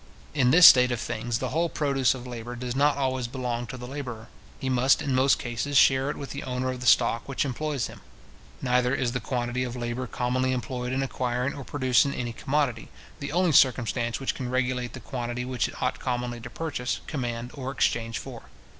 In this state of things, the whole produce of labour does not always belong to the labourer. He must in most cases share it with the owner of the stock which employs him. Neither is the quantity of labour commonly employed in acquiring or producing any commodity, the only circumstance which can regulate the quantity which it ought commonly to purchase, command or exchange for.